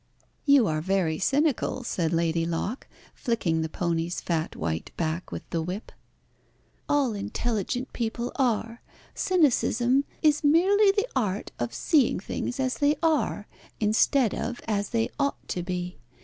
"You are very cynical," said Lady Locke, flicking the pony's fat white back with the whip. "All intelligent people are. Cynicism is merely the art of seeing things as they are instead of as they ought to be.